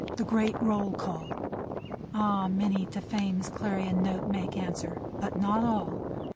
The great roll call ! Ah, many to Fame's clarion note Make answer ; but not all